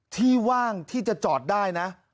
ที่ว่างที่จะจอดได้นะ